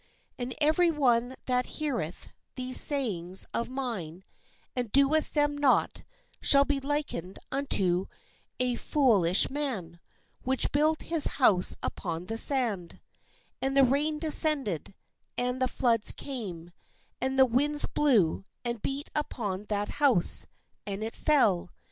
And every one that heareth these sayings of mine, and doeth them not, shall be likened unto a fool "And the rain descended, and the floods came, and the winds blew, and beat upon that house; and it fell."